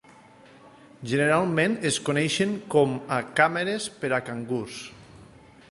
Generalment es coneixen com a "càmeres per a cangurs".